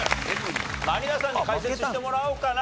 満里奈さんに解説してもらおうかな